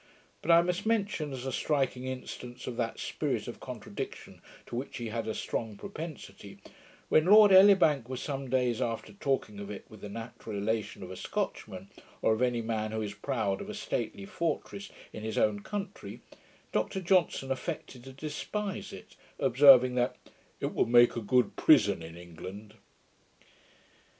But I must mention, as a striking instance of that spirit of contradiction to which he had a strong propensity, when Lord Elibank was some days after talking of it with the natural elation of a Scotchman, or of any man who is proud of a stately fortress in his own country, Dr Johnson affected to despise it, observing that, 'it would make a good PRISON in ENGLAND'.